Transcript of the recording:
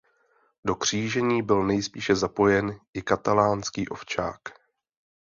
Do křížení byl nejspíše zapojen i katalánský ovčák.